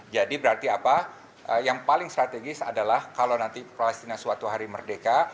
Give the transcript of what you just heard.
jadi berarti apa yang paling strategis adalah kalau nanti palestina suatu hari merdeka